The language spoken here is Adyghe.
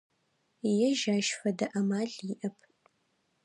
Ежь ащ фэдэ амал иӏэп.